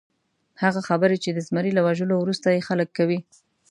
هغه خبرې چې د زمري له وژلو وروسته یې خلک کوي.